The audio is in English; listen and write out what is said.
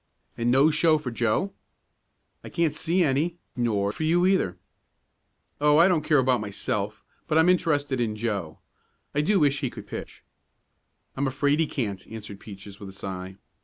"And no show for Joe?" "I can't see any, nor for you, either." "Oh, I don't care about myself, but I'm interested in Joe. I do wish he could pitch." "I'm afraid he can't," answered Peaches with a sigh.